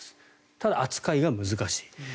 ただ、扱いは難しい。